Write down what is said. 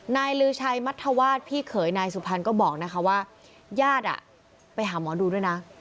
ลือชัยมัธวาสพี่เขยนายสุพรรณก็บอกนะคะว่าญาติไปหาหมอดูด้วยนะ